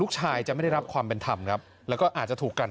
จะไม่ได้รับความเป็นธรรมครับแล้วก็อาจจะถูกกัน